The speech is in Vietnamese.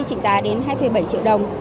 chỉ giá đến hai bảy triệu đồng